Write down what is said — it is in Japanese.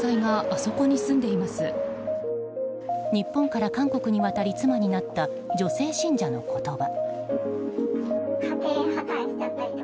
日本から韓国に渡り妻になった女性信者の言葉。